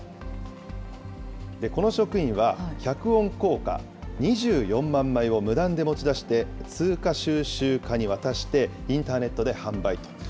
この職員は、１００ウォン硬貨、２４万枚を無断で持ち出して通貨収集家に渡して、インターネットで販売と。